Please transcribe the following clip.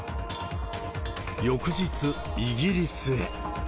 翌日、イギリスへ。